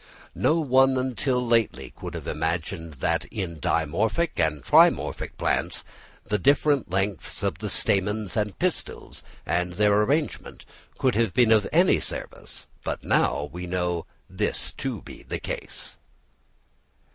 No one until lately would have imagined that in dimorphic and trimorphic plants the different lengths of the stamens and pistils, and their arrangement, could have been of any service, but now we know this to be the case.